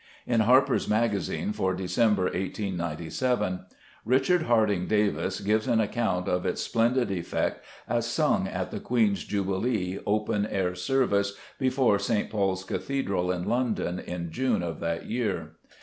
In Harper's Maga zine for December, 1S97, Richard Harding Davis gives an account of its splendid effect as sung at the Queen's Jubilee open air service before St. Paul's Cathedral in London in June of that year.